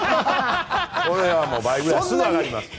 これは倍ぐらいすぐ上がります。